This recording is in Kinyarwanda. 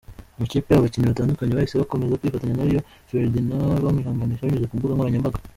Amakipe, Abakinnyi batandukanye bahise bakomeza kwifatanya na Rio Ferdinad bamwihanganisha binyuze ku mbuga nkoranyambaga.